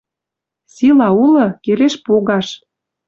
Сила улы, келеш погаш.